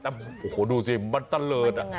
โอ้โฮดูสิมันเตลิด